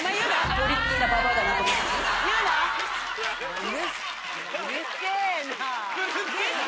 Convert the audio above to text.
トリッキーなばばあだなと思って。